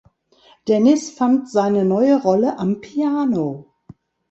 Dennis fand seine neue Rolle am Piano.